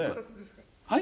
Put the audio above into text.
はい？